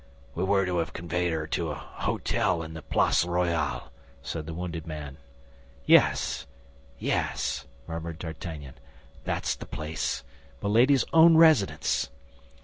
"We were to have conveyed her to a hôtel in the Place Royale," said the wounded man. "Yes, yes!" murmured D'Artagnan; "that's the place—Milady's own residence!"